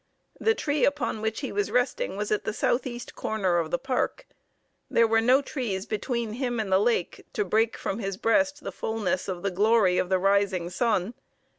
The tree upon which he was resting was at the southeast corner of the park. There were no trees between him and the lake to break from his breast the fullness of the glory of the rising sun.